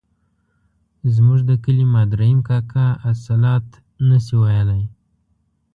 زموږ د کلي ماد رحیم کاکا الصلواة نه شوای ویلای.